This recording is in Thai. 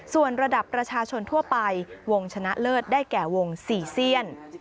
ส่วนระดับประชาชนทั่วไปวงชนะเลิศได้แก่วง๔เซียน